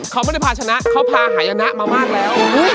เขาไม่ได้พาชนะเขาพาหายนะมามากแล้ว